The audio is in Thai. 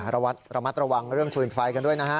ระมัดระวังเรื่องฟืนไฟกันด้วยนะฮะ